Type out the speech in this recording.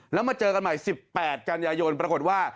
แล้วมาเจอกันใหม่๑๘กันยายนปรากฏว่า